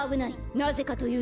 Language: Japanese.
なぜかというと。